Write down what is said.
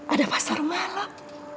ada pasar malam